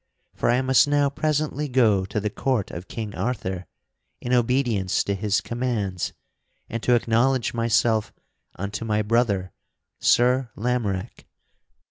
For I must now presently go to the court of King Arthur in obedience to his commands and to acknowledge myself unto my brother, Sir Lamorack."